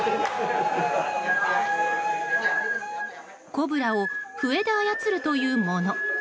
コブラを笛で操るというもの。